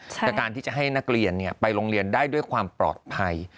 แต่การที่จะให้นักเรียนไปโรงเรียนได้ด้วยความปลอดภัย